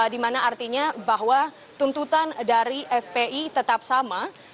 dimana artinya bahwa tuntutan dari fpi tetap sama